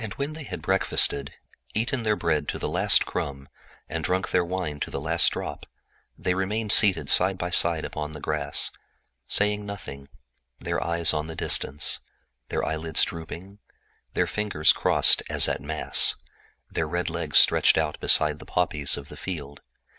When they had breakfasted, eaten their bread to the last crumb, and drunk their wine to the last drop, they remained seated side by side upon the grass, saying nothing, their eyes on the distance, their eyelids drooping, their fingers crossed as at mass, their red legs stretched out beside the poppies of the field.